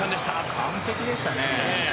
完璧でしたね。